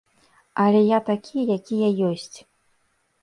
Але я такі, які я ёсць.